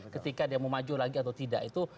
ketika dia mau maju lagi atau tidak itu